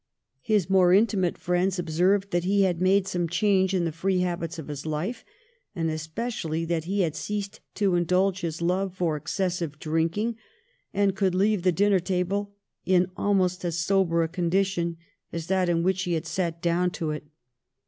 His more intimate friends observed that he had made some change in the free habits of his life, and especially that he had ceased to indulge his love for excessive drinking and could leave the dinner table in almost as sober a condition as that in which he had sat down to it.